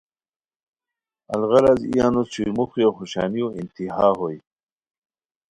الغرض ای انوس چھوئی موخیو خوشانیو انتہا ہوئے